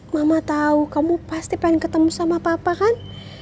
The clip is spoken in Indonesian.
mama tahu kamu pasti pengen ketemu sama papa kan